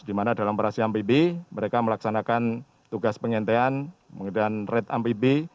di mana dalam operasi amfibi mereka melaksanakan tugas pengentean menggunakan red amfibi